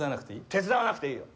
手伝わなくていいよ。